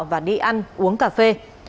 và đi ăn uống cà phê